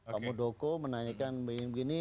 pak budoko menanyakan begini begini